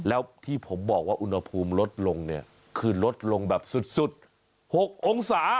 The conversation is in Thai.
แล้วที่ผมบอกว่าอุณหภูมิลดลงเนี่ยคือลดลงแบบสุด๖องศา